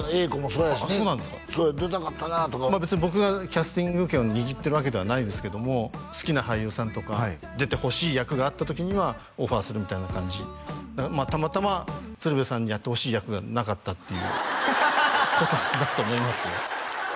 そう出たかったなとか別に僕がキャスティング権を握ってるわけではないですけども好きな俳優さんとか出てほしい役があった時にはオファーするみたいな感じだからたまたま鶴瓶さんにやってほしい役がなかったっていうことだと思いますよ